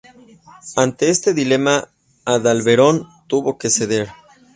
Ante este dilema, Adalberón tuvo que ceder.